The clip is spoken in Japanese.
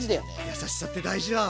優しさって大事だ！